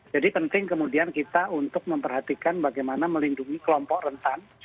jadi penting kemudian kita untuk memperhatikan bagaimana melindungi kelompok rentan